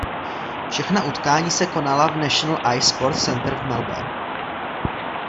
Všechna utkání se konala v National Ice Sports Centre v Melbourne.